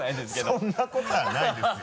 そんなことはないですよ！